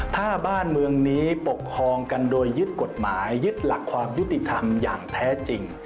ถ้าบ้านเมืองนี้ปกครองกันโดยยึดกฎหมายยึดหลักความยุติธรรมอย่างแท้จริง